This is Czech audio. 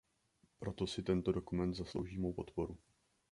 Proto si tento dokument zaslouží mou podporu.